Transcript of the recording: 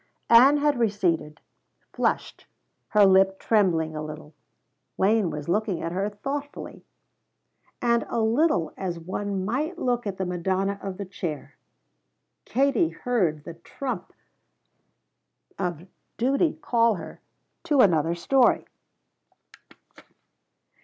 Ann had receded, flushed, her lip trembling a little; Wayne was looking at her thoughtfully and a little as one might look at the Madonna of the Chair. Katie heard the trump of duty call her to another story.